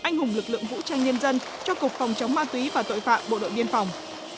anh hùng lực lượng vũ trang nhân dân cho cục phòng chống ma túy và tội phạm bộ đội biên phòng